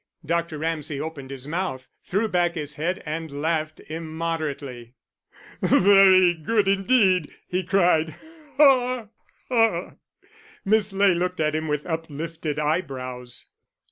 Dr. Ramsay, opening his mouth, threw back his head and laughed immoderately. "Very good indeed," he cried. "Ha, ha!" Miss Ley looked at him with uplifted eyebrows.